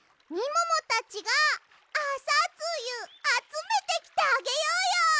みももたちがあさつゆあつめてきてあげようよ！